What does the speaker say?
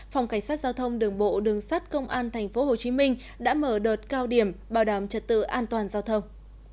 phòng cảnh sát giao thông đường bộ đường sát công an tp hcm đã mở đợt cao điểm bảo đảm trật tự an toàn giao thông